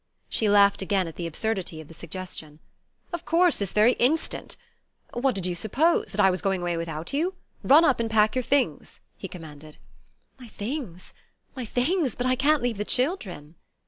She laughed again at the absurdity of the suggestion. "Of course: this very instant. What did you suppose? That I was going away without you? Run up and pack your things," he commanded. "My things? My things? But I can't leave the children!"